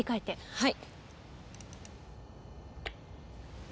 はい。